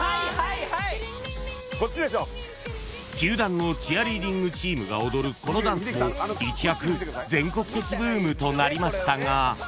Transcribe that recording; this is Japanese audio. ［球団のチアリーディングチームが踊るこのダンスも一躍全国的ブームとなりましたが］